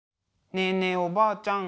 ねえねえおばあちゃん